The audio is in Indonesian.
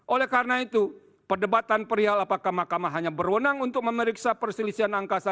oleh karena itu perdebatan perihal apakah makamah hanya berwenang untuk memeriksa perselisihan angka saja